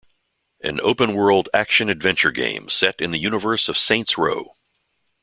An open world action-adventure game set in the universe of Saints Row.